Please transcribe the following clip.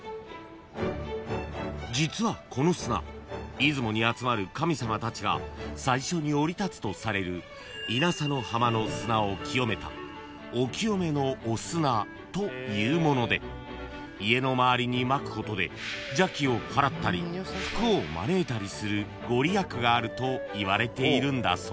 ［実はこの砂出雲に集まる神様たちが最初に降り立つとされる稲佐の浜の砂を清めたお清めの御砂というもので家の周りにまくことで邪気をはらったり福を招いたりする御利益があるといわれているんだそう］